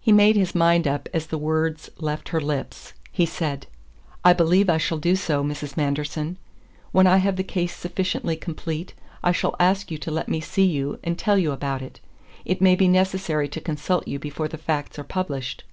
He made his mind up as the words left her lips. He said: "I believe I shall do so, Mrs. Manderson. When I have the case sufficiently complete I shall ask you to let me see you and tell you about it. It may be necessary to consult you before the facts are published."